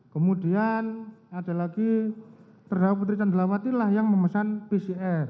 kemudian ada lagi terdakwa putri candrawati lah yang memesan pcr